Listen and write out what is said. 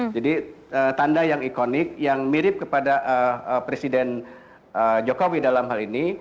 jadi tanda yang ikonik yang mirip kepada presiden jokowi dalam hal ini